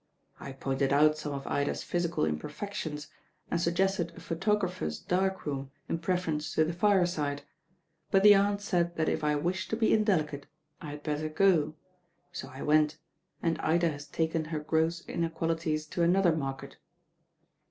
I pointed out some of Ida's physical imperfections, and suggested a photographer's dark room in preference to the fireside; but the Aunt said that if I wished to be indelicate, I had better go; so I went, and Ida has taken her gross inequalities to another market.